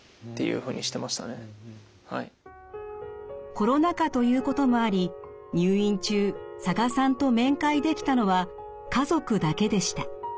コロナ禍ということもあり入院中佐賀さんと面会できたのは家族だけでした。